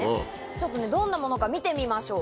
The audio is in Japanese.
ちょっとね、どんなものか見てみましょう。